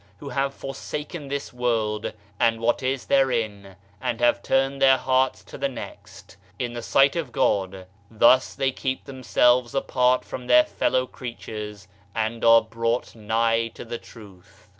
46 Diaiiizedb, Google OF CIVILIZATION have forsaken this world and what is therein, and have turned their hearts to the next — in the sight of God: thus they keep themselves apart from their fellow creatures and are brought nigh to the Truth.